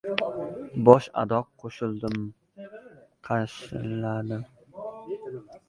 Bosh-adoq qashiladim.